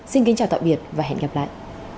xin kính chào tạm biệt và hẹn gặp lại